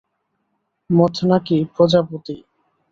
মথ নাকি প্রজাপতি?